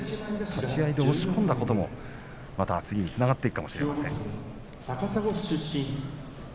立ち合い、押し込んだこともまた次につながっていくかもしれません。